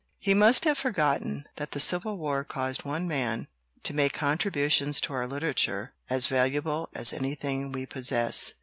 "He must have forgotten that the Civil War caused one man to make contributions to our literature as valuable as anything we possess.